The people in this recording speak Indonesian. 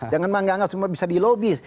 jangan menganggap semua bisa di lobis